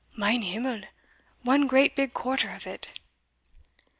mein himmel! one great big quarter of it."